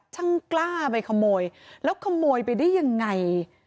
ช่างกล้าไปขโมยแล้วขโมยไปได้ยังไง